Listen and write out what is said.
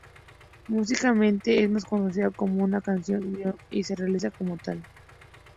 Musicalmente, es más conocida como una canción rock'n'roll, y se realiza como tal.